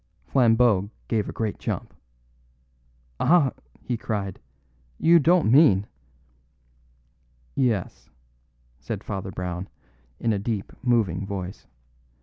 Flambeau gave a great jump. "Ah," he cried, "you don't mean " "Yes," said Father Brown in a deep, moving voice.